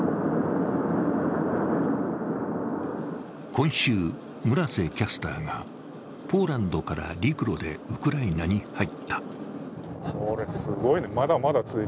今週、村瀬キャスターがポーランドから陸路でウクライナに入った。